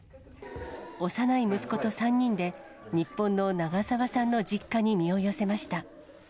幼い息子と３人で、日本の長澤さんの実家に身を寄せました。